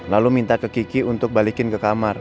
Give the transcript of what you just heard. lalu minta ke kiki untuk balikin ke kamar